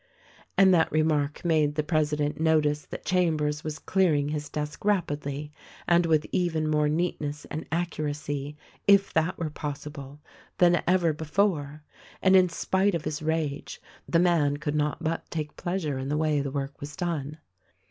And that remark made the president notice that Chambers was clearing his desk rapidly and with even more neatness and accuracy, if that were possible, than ever before ; and, in spite of his rage, the man could not but take pleasure in the way the work was done.